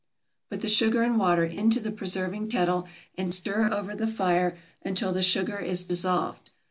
Put the sugar and water into the preserving kettle and stir over the fire until the sugar is dissolved.